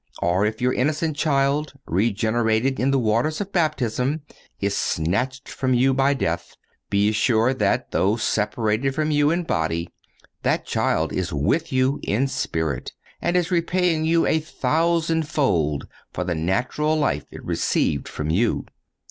Or if your innocent child, regenerated in the waters of baptism, is snatched from you by death, be assured that, though separated from you in body, that child is with you in spirit and is repaying you a thousand fold for the natural life it received from you.